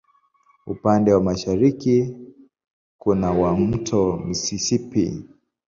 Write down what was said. Upande wa mashariki kuna wa Mto Mississippi.